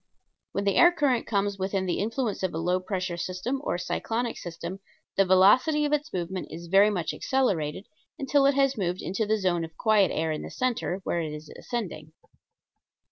When the air current comes within the influence of a low pressure or cyclonic system the velocity of its movement is very much accelerated until it has moved into the zone of quiet air in the center, where it is ascending.